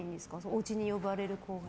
おうちに呼ばれる方。